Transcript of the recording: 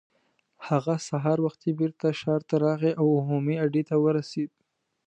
هغه سهار وختي بېرته ښار ته راغی او عمومي اډې ته ورسېد.